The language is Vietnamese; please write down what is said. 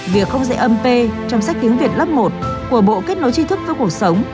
việc không dễ âm p trong sách tiếng việt lớp một của bộ kết nối chi thức với cuộc sống